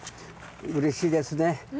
うれしいですね。